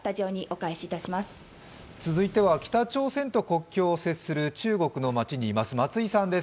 続いては北朝鮮と国境を接する中国の町にいます松井さんです。